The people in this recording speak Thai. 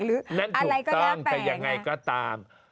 หรืออะไรก็ได้แปลงนะครับ